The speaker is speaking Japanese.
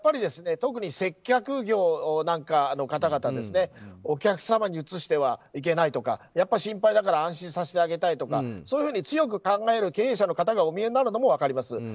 特に接客業なんかの方々はお客様にうつしてはいけないとか心配だから安心させてあげたいとかそういうふうに強く考える経営者の方がお見えになるのも分かります。